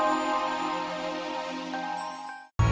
terima kasih pak ya